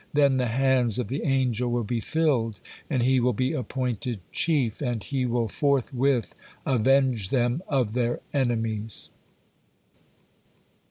Then the hands of the angel will be filled and he will be appointed chief, and he will forthwith avenge them of their enemies."